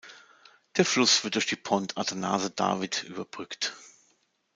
Der Fluss wird durch die Pont Athanase-David überbrückt.